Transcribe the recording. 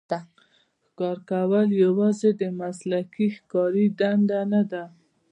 ښکار کول یوازې د مسلکي ښکاري دنده ده.